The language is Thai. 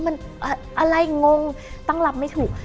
มันอะไรงงตั้งรับไม่ถูก